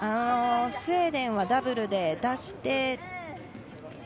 スウェーデンはダブルで出して。